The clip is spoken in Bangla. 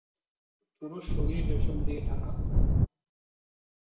পুরো শরীর রেশম দিয়ে ঢাকা।